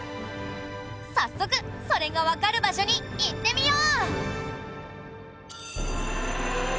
早速それがわかる場所に行ってみよう！